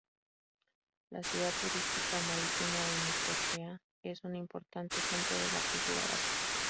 La ciudad turística marítima de Necochea es un importante centro de la cultura vasca.